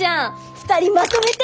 ２人まとめて！